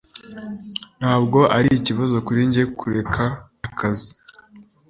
Ntabwo ari ikibazo kuri njye kureka akazi.